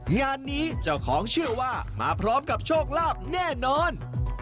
งานนี้เจ้าของเชื่อว่ามาพร้อมกับโชคลาภแน่นอน